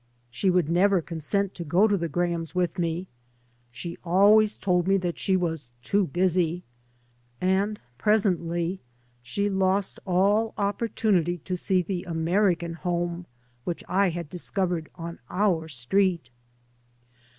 She would never consent to go to the Grahams with me. She always told me that she was " too busy." And presently she lost all opportunity to see the American home which I had discovered on our street.